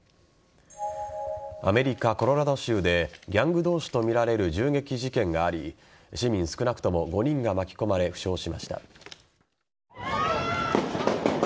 アメリカ・コロラド州でギャング同士とみられる銃撃事件があり市民少なくとも５人が巻き込まれ負傷しました。